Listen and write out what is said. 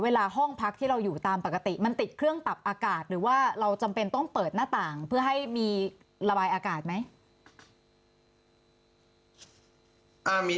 เวลาห้องพักที่เราอยู่ตามปกติมันติดเครื่องปรับอากาศหรือว่าเราจำเป็นต้องเปิดหน้าต่างเพื่อให้มีระบายอากาศไหม